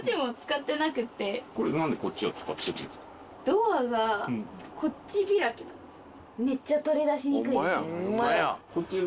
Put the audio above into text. ドアがこっち開きなんです。